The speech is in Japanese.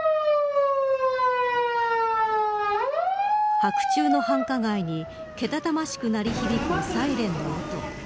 白昼の繁華街にけたたましく鳴り響くサイレンの音。